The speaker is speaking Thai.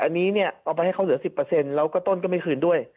อันนี้เนี่ยเอาไปให้เขาเหลือ๑๐แล้วก็ต้นก็ไม่คืนด้วย